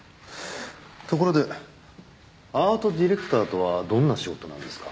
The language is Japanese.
ところでアートディレクターとはどんな仕事なんですか？